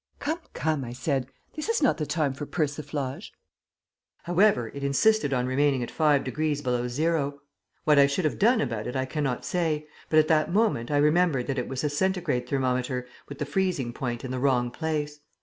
"Come, come," I said, "this is not the time for persiflage." However, it insisted on remaining at five degrees below zero. What I should have done about it I cannot say, but at that moment I remembered that it was a Centigrade thermometer with the freezing point in the wrong place.